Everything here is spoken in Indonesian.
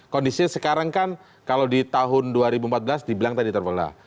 kondisinya sekarang kan kalau di tahun dua ribu empat belas dibilang tadi terbelah